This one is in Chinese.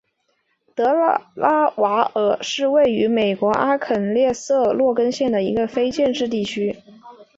德拉瓦尔是位于美国阿肯色州洛根县的一个非建制地区。